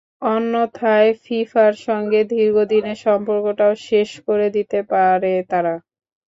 অন্যথায় ফিফার সঙ্গে দীর্ঘ দিনের সম্পর্কটাও শেষ করে দিতে পারে তারা।